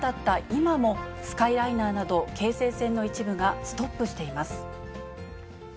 今も、スカイライナーなど、京成線の一部がストップしています。